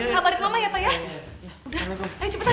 kabarin mama ya pak ya udah ayo cepetan